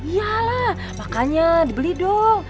iya lah makanya dibeli dong